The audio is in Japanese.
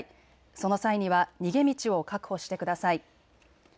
その際には逃げ道を確保してください。